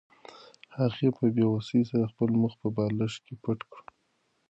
هغې په بې وسۍ سره خپل مخ په بالښت کې پټ کړ.